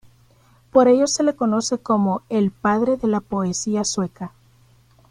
Por ello se le conoce como "el padre de la poesía sueca".